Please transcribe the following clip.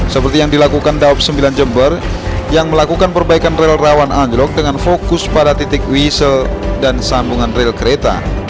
seperti yang dilakukan daob sembilan jember yang melakukan perbaikan rel rawan anjlok dengan fokus pada titik wisel dan sambungan rel kereta